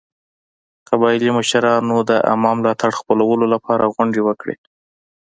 قبایلي مشرانو د عامه ملاتړ خپلولو لپاره غونډې وکړې.